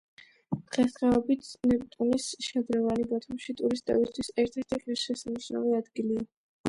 დღესდღეობით ნეპტუნის შადრევანი, ბათუმში ტურისტებისთვის ერთ-ერთი ღირსშესანიშნავი ადგილია.